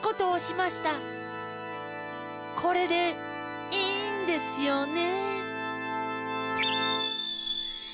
これでいいんですよね。